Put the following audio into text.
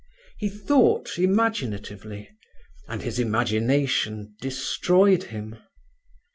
He thought imaginatively, and his imagination destroyed him.